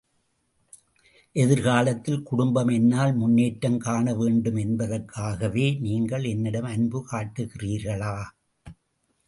எதிர்காலத்தில் குடும்பம் என்னால் முன்னேற்றம் காண வேண்டும் என்பதற்காகவே, நீங்கள் என்னிடம் அன்பு காட்டுகிறீர்களா?